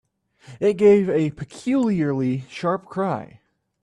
It gave a peculiarly sharp cry.